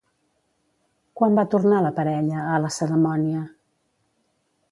Quan va tornar la parella a Lacedemònia?